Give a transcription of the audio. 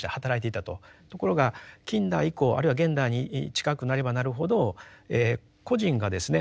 ところが近代以降あるいは現代に近くなればなるほど個人がですね